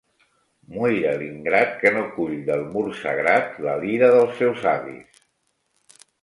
Muira l'ingrat que no cull del mur sagrat la lira dels seus avis!